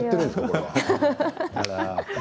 これは。